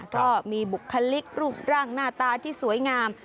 ก็มีบุคลิกรูปร่างหน้าตาที่สวยงาม